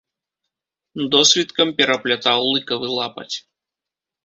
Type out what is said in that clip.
Досвіткам пераплятаў лыкавы лапаць.